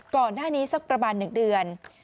ก่อนหน้านี้สักประมาณ๑เดือน